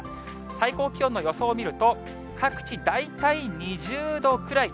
最高気温の予想を見ると、各地、大体２０度くらい。